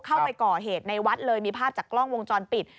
เข้าไปก่อเหตุในวัดเลยมีภาพจากกล้องวงจรปิด